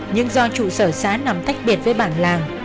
nhưng do trụ sở xã nằm tách biệt với bản làng